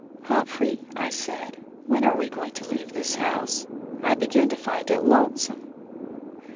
"Humphrey," I said, "when are we going to leave this house? I begin to find it lonesome."